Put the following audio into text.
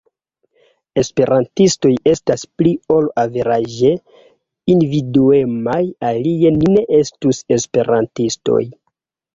Esperantistoj estas pli ol averaĝe individuemaj alie ni ne estus esperantistoj.